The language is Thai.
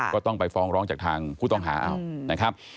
ก็ต้องไปฟ้องร้องจากทางผู้ต้องหาเอานะครับ